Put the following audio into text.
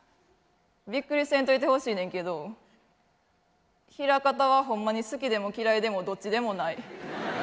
びっくりせんといてほしいねんけど枚方はホンマに好きでも嫌いでもどっちでもない。